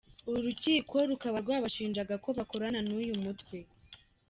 Uru rukiko rukaba rwabashinjaga ko bakora n’uyu mutwe.